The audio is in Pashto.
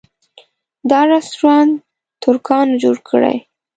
دا رسټورانټ ترکانو جوړه کړې.